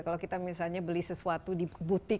kalau kita misalnya beli sesuatu di butik